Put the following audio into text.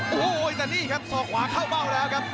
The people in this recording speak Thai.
โอ้โหแต่นี่ครับศอกขวาเข้าเบ้าแล้วครับ